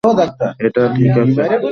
এটা ঠিক আছে।